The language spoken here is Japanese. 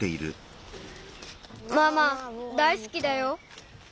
ママ大すきだよ。